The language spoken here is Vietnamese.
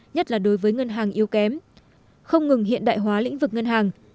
nhất là đối với ngân hàng yếu kém không ngừng hiện đại hóa lĩnh vực ngân hàng